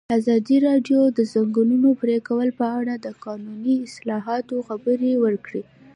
ازادي راډیو د د ځنګلونو پرېکول په اړه د قانوني اصلاحاتو خبر ورکړی.